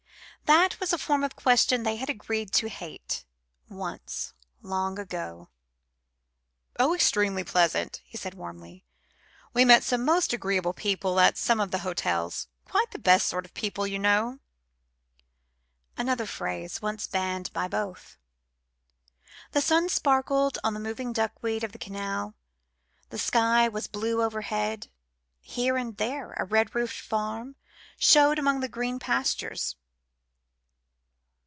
That was a form of question they had agreed to hate once, long ago. "Oh, extremely pleasant," he said warmly. "We met some most agreeable people at some of the hotels. Quite the best sort of people, you know." Another phrase once banned by both. The sun sparkled on the moving duckweed of the canal. The sky was blue overhead. Here and there a red roofed farm showed among the green pastures.